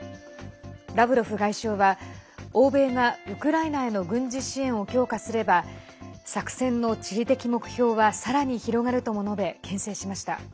ラブロフ外相は欧米がウクライナへの軍事支援を強化すれば作戦の地理的目標はさらに広がるとも述べけん制しました。